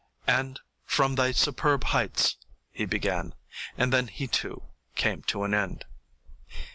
"And from Thy superb heights " he began, and then he too came to an end.